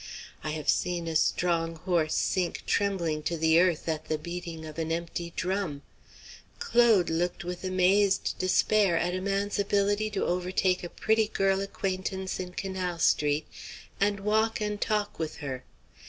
I have seen a strong horse sink trembling to the earth at the beating of an empty drum. Claude looked with amazed despair at a man's ability to overtake a pretty girl acquaintance in Canal Street, and walk and talk with her.